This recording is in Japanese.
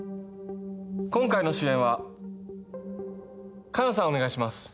今回の主演はかなさんお願いします。